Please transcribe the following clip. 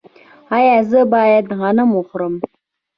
ایا زه باید غنم وخورم؟